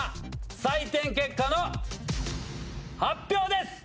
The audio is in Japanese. ⁉採点結果の発表です！